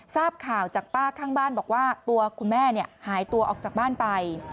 ทราบข่าวจากป้าข้างบ้านบอกว่าตัวคุณแม่หายตัวออกจากบ้านไป